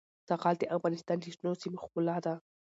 زغال د افغانستان د شنو سیمو ښکلا ده.